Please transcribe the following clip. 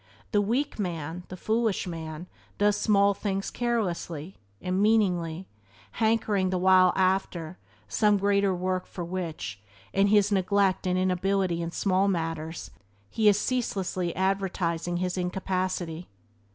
The weak man, the foolish man, does small things carelessly, and meanly, hankering the while after, some greater work for which, in his neglect and inability in small matters, he is ceaselessly advertising his incapacity.